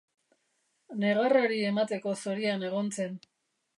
Negarrari emateko zorian egon zen.